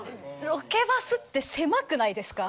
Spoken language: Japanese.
ロケバスって狭くないですか。